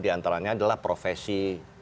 diantaranya adalah profesi